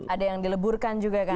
ada yang dileburkan juga kan